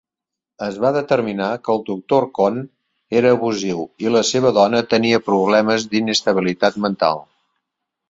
Es va determinar que el doctor Conn era abusiu i la seva dona tenia problemes d'inestabilitat mental.